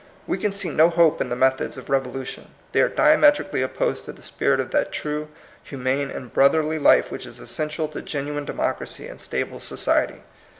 We can see no hope in the methods of revolution. They are diametrically opposed to the spirit of that true, humane, and brotherly life which is essential to genuine democracy and stable society.